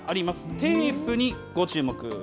テープにご注目。